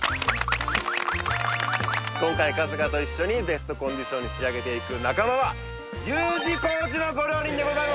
今回春日と一緒にベストコンディションに仕上げていく仲間はＵ字工事のご両人でございます！